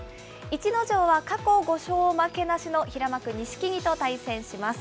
逸ノ城は過去５勝負けなしの平幕・錦木と対戦します。